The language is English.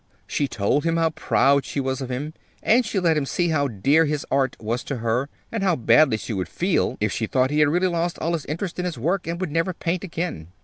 She told him how proud she was of him, and she let him see how dear his Art was to her, and how badly she would feel if she thought he had really lost all his interest in his work and would never paint again.